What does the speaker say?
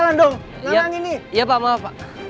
tau riri kenapa napa